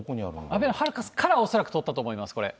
あべのハルカスから恐らく撮ったと思います、これ。